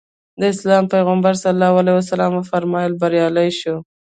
د اسلام پیغمبر ص وفرمایل بریالی شو.